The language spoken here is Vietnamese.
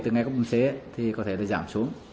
từ ngày cấp một xế thì có thể giảm xuống